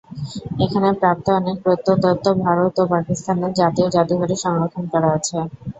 এখানে প্রাপ্ত অনেক প্রত্নতত্ত্ব ভারত ও পাকিস্তানের জাতীয় জাদুঘরে সংরক্ষন করা আছে।